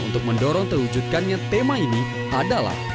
untuk mendorong terwujudkannya tema ini adalah